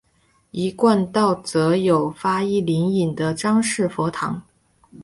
一贯道则有发一灵隐的张氏佛堂。